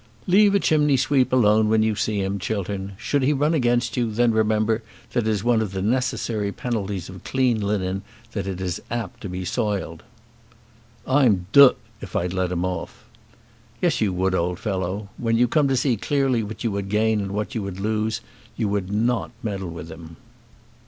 "Leave a chimney sweep alone when you see him, Chiltern. Should he run against you, then remember that it is one of the necessary penalties of clean linen that it is apt to be soiled." "I'm d d if I'd let him off." "Yes you would, old fellow. When you come to see clearly what you would gain and what you would lose, you would not meddle with him."